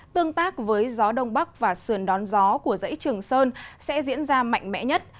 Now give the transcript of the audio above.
tương tác với gió đông bắc và sườn đón gió của dãy trường sơn sẽ diễn ra mạnh mẽ nhất